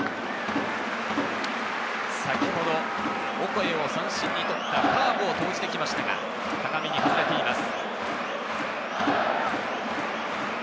先ほどオコエを三振にとったカーブを投じてきましたが、高めに外れています。